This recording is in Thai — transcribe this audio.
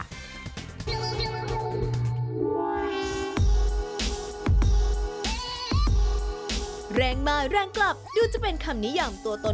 ดูได้จากกรณีล่าสุดที่ทำเอาโลกโซเชียลร้อนระอุตั้งแต่หัววัน